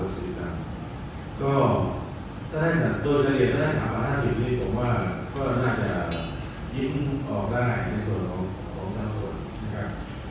ก็ถ้าได้สังเกต๓๕๐บาทผมว่าน่าจะยิ้มออกได้ในส่วนของท่านส่วนนะครับ